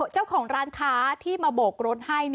เจ้าของร้านค้าที่มาโบกรถให้